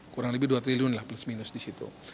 kurang lebih dua triliun lah plus minus di situ